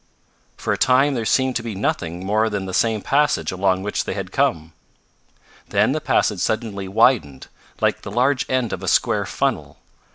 For a time there seemed to be nothing more than the same passage along which they had come. Then the passage suddenly widened, like the large end of a square funnel.